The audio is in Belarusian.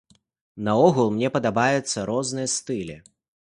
Наогул мне падабаюцца розныя стылі.